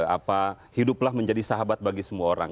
apa hiduplah menjadi sahabat bagi semua orang